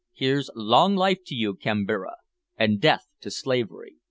"Here's long life to you, Kambira, an' death to slavery."